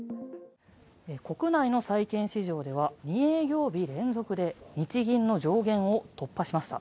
国内の債券市場では２営業日連続で日銀の上限を突破しました。